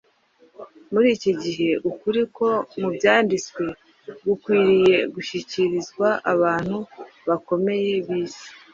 Muri iki gihe ukuri ko mu Byanditswe gukwiriye gushyikirizwa abantu bakomeye b’isi